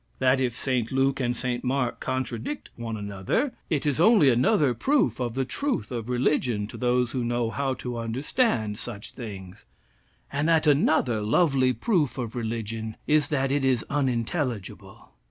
That if St. Luke and St. Mark contradict one another it is only another proof of the truth of religion to those who know how to understand such things; and that another lovely proof of religion is that it is unintelligible.